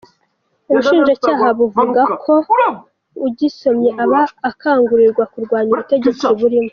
Ubushinjacyaha buvuga ko ‘ugisomye aba akangurirwa kurwanya ubutegetsi buriho.’